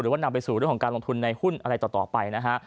ว่านำไปสู่เรื่องของการลงทุนในหุ้นอะไรต่อไปนะฮะ